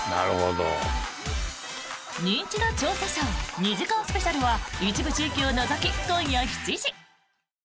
「ニンチド調査ショー」２時間スペシャルは一部地域を除き、今夜７時。